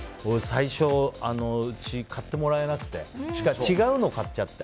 最初、うち買ってもらえなくて違うのを買っちゃって。